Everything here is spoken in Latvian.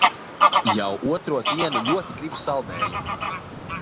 Jau otro dienu ?oti gribu sald?jumu!